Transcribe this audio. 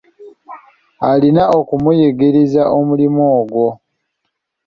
Alina okumuyigiriza omirimu ogwo.